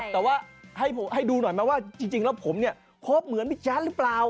แต่ว่าให้ดูหน่อยไหมว่าจริงแล้วผมเนี่ยคบเหมือนพี่แจ๊ดหรือเปล่า